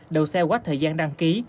đậu xe quá thời gian đăng ký